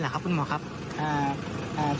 ผมยังอยากรู้ว่าว่ามันไล่ยิงคนทำไมวะ